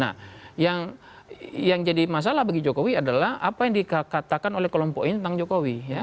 nah yang jadi masalah bagi jokowi adalah apa yang dikatakan oleh kelompok ini tentang jokowi